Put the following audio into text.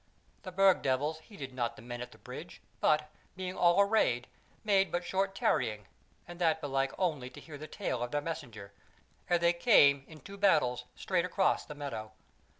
The Burg devils heeded not the men at the Bridge, but, being all arrayed, made but short tarrying (and that belike only to hear the tale of their messenger) ere they came in two battles straight across the meadow.